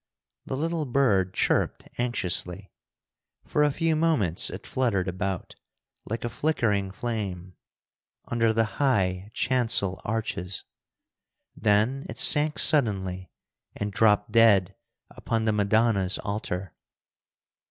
The little bird chirped anxiously. For a few moments it fluttered about, like a flickering flame, under the high chancel arches. Then it sank suddenly and dropped dead upon the Madonna's Altar.